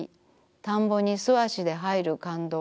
田んぼに素足で入る感動。